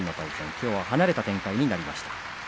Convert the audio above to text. きょうは離れた展開になりました。